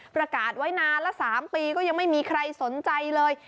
ประกาศไว้นานละ๓ปีก็ยังไม่มีใครสนใจเลย